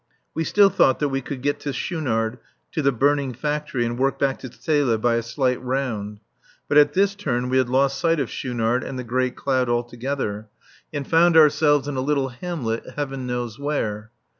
We still thought that we could get to Schoonard, to the burning factory, and work back to Zele by a slight round. But at this turn we had lost sight of Schoonard and the great cloud altogether, and found ourselves in a little hamlet Heaven knows where.